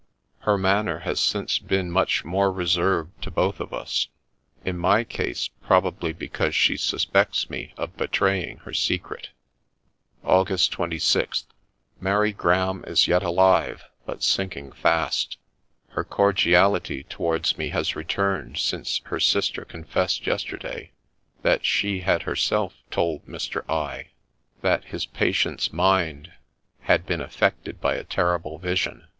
Her manner has since been much more reserved to both of us : in my case, probably because she suspects me of betraying her secret.' ' August 26th. — Mary Graham is yet alive, but sinking fast ; her cordiality towards me has returned since her sister confessed yesterday that she had herself told Mr. I that his patient's mind " had been affected by a terrible vision."